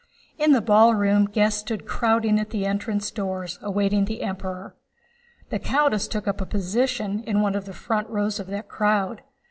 In the ballroom guests stood crowding at the entrance doors awaiting the Emperor. The countess took up a position in one of the front rows of that crowd.